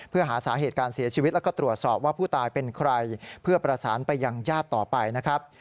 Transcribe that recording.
เพื่อหาสาเหตุการเสียชีวิตแล้วก็ตรวจสอบว่าผู้ตายเป็นใครเพื่อประสานไปยังญาติต่อไปนะครับ